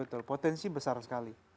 betul potensi besar sekali